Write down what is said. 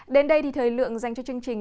đến đây thì thời lượng dành cho chương trình